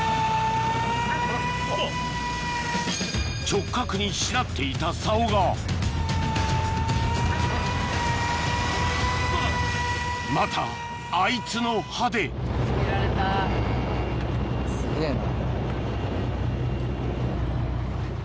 直角にしなっていたさおがまたあいつの歯で・すげぇな